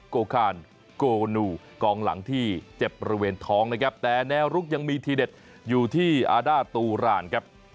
โกคานโกนูกองหลังที่เจ็บบริเวณท้องนะครับแต่แนวลุกยังมีทีเด็ดอยู่ที่อาด้าตูรานครับ